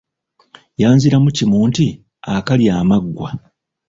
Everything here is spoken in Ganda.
Yanziramu kimu nti; akalya amaggwa.